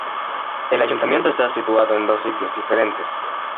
El ayuntamiento está situado en dos sitios diferentes.